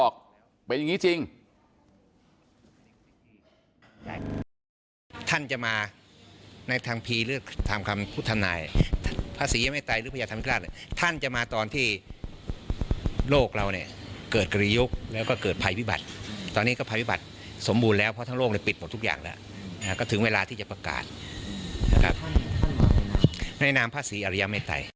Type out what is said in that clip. เขาบอกว่าเป็นอย่างนี้จริง